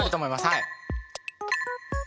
はい！